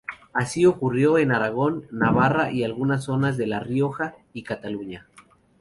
Así ocurrió en Aragón, Navarra y algunas zonas de La Rioja y Cataluña.